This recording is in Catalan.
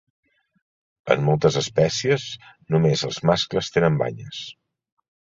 En moltes espècies, només els mascles tenen banyes.